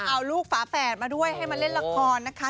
เอาลูกฝาแฝดมาด้วยให้มาเล่นละครนะคะ